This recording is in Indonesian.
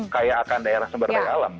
kaya akan daerah sumber daya alam